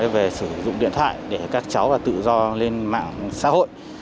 về sử dụng điện thoại để các cháu và tự do lên mạng xã hội